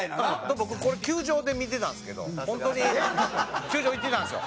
僕これ球場で見てたんですけど本当に。球場行ってたんですよ。